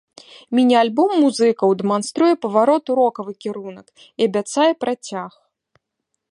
Міні-альбом музыкаў дэманструе паварот у рокавы кірунак і абяцае працяг.